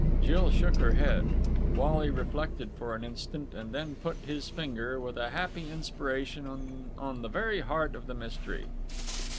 Jill shook her head. Wally reflected for an instant, and then put his finger, with a happy inspiration, on the very heart of the mystery.